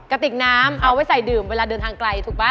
กระติกน้ำเอาไว้ใส่ดื่มเวลาเดินทางไกลถูกป่